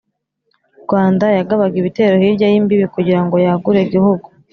Rwanda yagabaga ibitero hirya y imbibi kugira ngo yagure igihugu